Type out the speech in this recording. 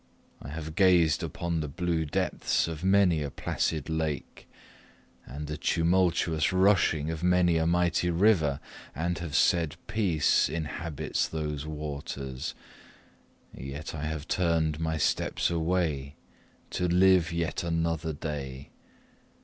I have gazed upon the blue depths of many a placid lake, and the tumultuous rushing of many a mighty river, and have said, peace inhabits those waters; yet I have turned my steps away, to live yet another day.